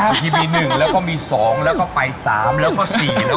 บางทีมีหนึ่งแล้วก็มีสองแล้วก็ไปสามแล้วก็สี่แล้วก็